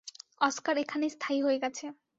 Oscar এখানেই স্থায়ী হয়ে গেছে।